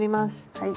はい。